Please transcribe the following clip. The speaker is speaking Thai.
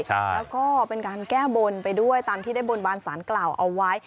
แล้วก็เป็นการแก้บนไปด้วยตามที่ได้บนบานสารกล่าวเอาไว้